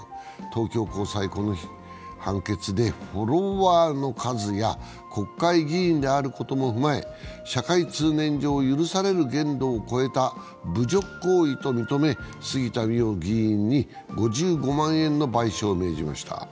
東京高裁、この日、判決でフォロワーの数や国会議員であることも踏まえ、社会通念上、許される限度を超えた侮辱行為と認め杉田水脈議員に５５万円の賠償を命じました。